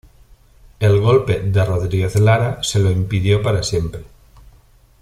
El golpe de Rodríguez Lara se lo impidió para siempre.